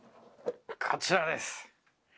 こちらです。